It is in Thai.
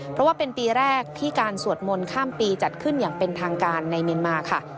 เพราะว่าเป็นปีแรกที่การสวดมนต์ข้ามปีจัดขึ้นอย่างเป็นทางการในเมียนมาค่ะ